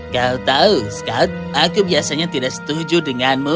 kau tahu scott aku biasanya tidak setuju denganmu